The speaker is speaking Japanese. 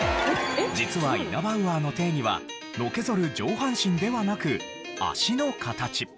実はイナバウアーの定義はのけぞる上半身ではなく脚の形。